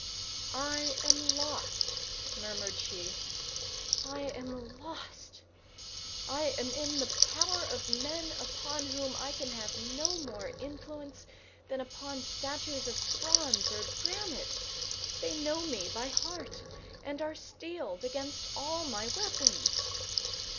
"I am lost," murmured she; "I am lost! I am in the power of men upon whom I can have no more influence than upon statues of bronze or granite; they know me by heart, and are steeled against all my weapons.